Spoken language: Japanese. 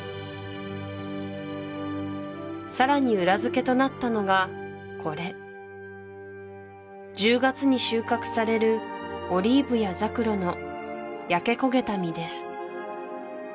さらに裏付けとなったのがこれ１０月に収穫されるオリーブやザクロの焼け焦げた実です